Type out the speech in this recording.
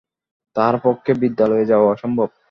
তাহার পক্ষে বিদ্যালয়ে যাওয়া অসম্ভব।